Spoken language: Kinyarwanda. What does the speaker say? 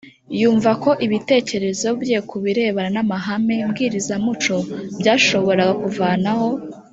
yumvaga ko ibitekerezo bye ku birebana n’amahame mbwirizamuco byashoboraga kuvanaho